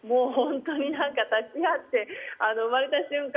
立ち会って産まれた瞬間